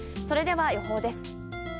それでは予報です。